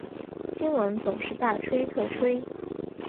新闻总是大吹特吹